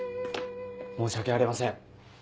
申し訳ありません。